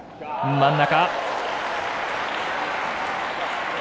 真ん中。